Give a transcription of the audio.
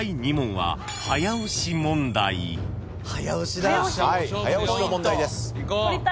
はい早押しの問題です。